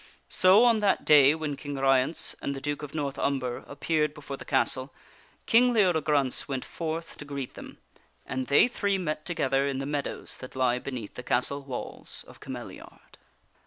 So on that day when King Ryence and the Duke of North Umber appeared before the castle, King Leodegrance went forth to greet them and they three met together in the meadows that lie be neath the castle walls of Cameliard.